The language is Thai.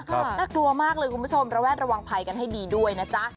น่ากลัวมากเลยคุณผู้ชมระแวดระวังภัยกันให้ดีด้วยนะจ๊ะ